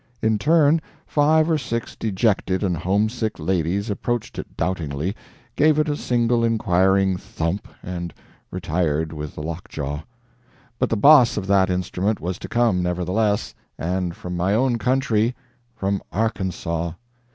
In turn, five or six dejected and homesick ladies approached it doubtingly, gave it a single inquiring thump, and retired with the lockjaw. But the boss of that instrument was to come, nevertheless; and from my own country from Arkansaw.